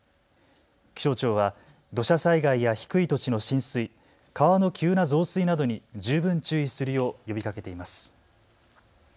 気象庁は土砂災害や低い土地の浸水、川の急な増水などに十分注意するよう呼びかけています。